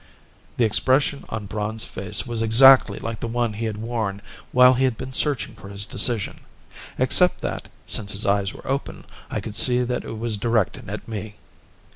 The expression on Braun's face was exactly like the one he had worn while he had been searching for his decision except that, since his eyes were open, I could see that it was directed at me.